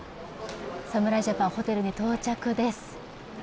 侍ジャパン、ホテルに到着です。